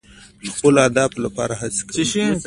د خپلو اهدافو لپاره هڅې کوئ.